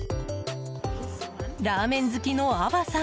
ラーメン好きのアワさん。